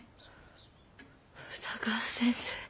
宇田川先生。